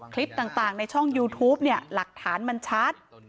คลิปต่างในช่องยูทูปเนี่ยหลักฐานมันชัด